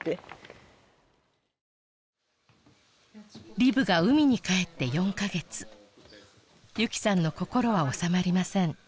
リブが海に帰って４か月由起さんの心はおさまりません